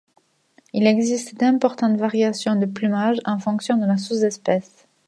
Il existe d'importantes variations de plumage en fonction de la sous-espèce.